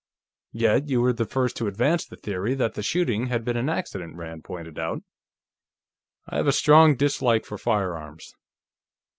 "Yet you were the first to advance the theory that the shooting had been an accident," Rand pointed out. "I have a strong dislike for firearms."